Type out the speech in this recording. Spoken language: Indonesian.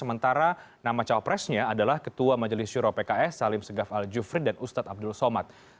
sementara nama cowok presidennya adalah ketua majelis syurau pks salim seghaf al jufri dan ustadz abdul somad